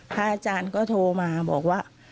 อาจารย์ก็โทรมาบอกว่า